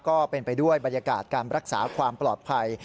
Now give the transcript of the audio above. ก็เป็นไปด้วยบรรยากาศการรักษาความปลอดภัย